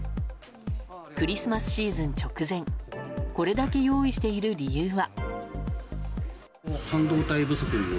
クリスマスシーズン直前これだけ用意している理由は。